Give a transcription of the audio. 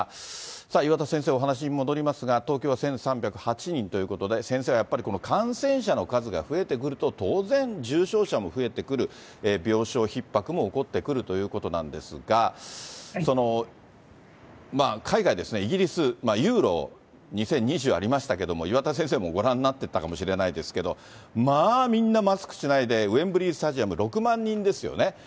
さあ、岩田先生、お話に戻りますが、東京は１３０８人ということで、先生はやっぱり、この感染者の数が増えてくると、当然重症者も増えてくる、病床ひっ迫も起こってくるということなんですが、海外ですね、イギリス、ユーロ２０２０ありましたけど、岩田先生もご覧になってたかもしれないですけど、まあみんな、マスクしないで、ウェンブリースタジアム、６万人ですよね。